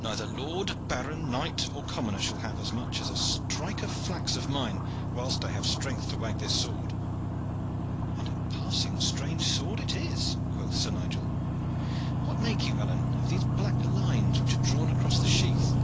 Neither lord, baron, knight, or commoner shall have as much as a strike of flax of mine whilst I have strength to wag this sword." "And a passing strange sword it is," quoth Sir Nigel. "What make you, Alleyne, of these black lines which are drawn across the sheath?"